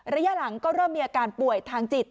ระยะหลังก็เริ่มมีอาการป่วยทางจิต